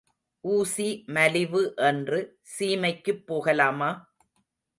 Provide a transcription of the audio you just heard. ஊசி மலிவு என்று சீமைக்குப் போகலாமா?